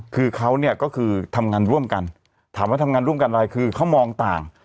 คือเขาเนี่ยก็คือทำงานร่วมกันถามว่าทำงานร่วมกันอะไรคือเขามองต่าง